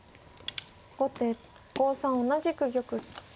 後手５三同じく玉。